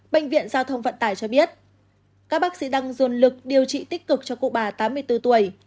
bệnh viện giao thông vận tải cho biết các bác sĩ đang dồn lực điều trị tích cực cho cụ bà tám mươi bốn tuổi